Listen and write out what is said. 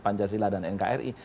pancasila dan nkri